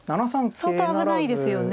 相当危ないですよね